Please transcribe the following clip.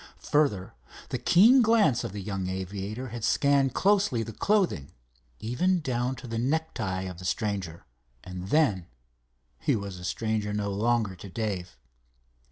Further, the keen glance of the young aviator had scanned closely the clothing, even down to the necktie of the stranger, and then—he was a stranger no longer to Dave.